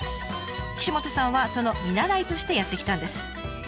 岸本さんはその見習いとしてやって来たんです。